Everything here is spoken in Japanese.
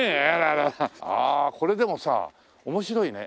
これでもさ面白いね。